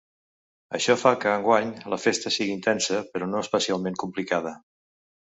Això fa que enguany la festa sigui intensa però no especialment complicada.